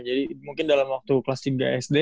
jadi mungkin dalam waktu kelas tiga sd